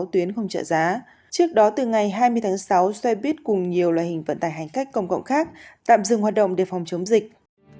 trước đó từ ngày hai mươi tháng sáu xe buýt cùng nhiều loài hình vận tài hành cách công cộng khác tạm dừng hoạt động để phòng chống dịch